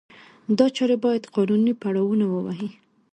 دا چارې باید قانوني پړاونه ووهي.